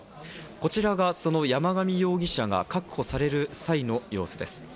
こちらがその山上容疑者が確保される際の様子です。